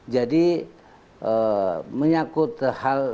jadi menyangkut hal